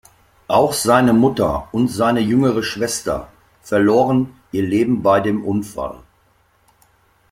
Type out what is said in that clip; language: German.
Auch seine Mutter und seine jüngere Schwester verloren ihr Leben bei dem Unfall.